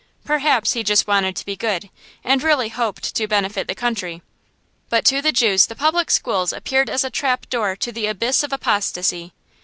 Perhaps he just wanted to be good, and really hoped to benefit the country. But to the Jews the public schools appeared as a trap door to the abyss of apostasy.